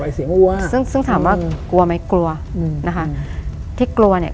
เสียงวัวซึ่งซึ่งถามว่ากลัวไหมกลัวอืมนะคะที่กลัวเนี้ย